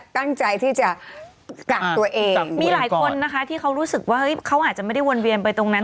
ตั้งใจที่จะกักตัวเองมีหลายคนนะคะที่เขารู้สึกว่าเขาอาจจะไม่ได้วนเวียนไปตรงนั้น